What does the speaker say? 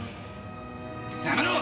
やめろ！